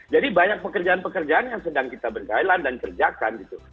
jadi banyak pekerjaan pekerjaan yang sedang kita berkaitan dan kerjakan gitu